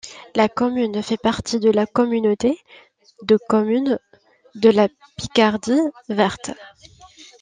La commune fait partie de la communauté de communes de la Picardie Verte.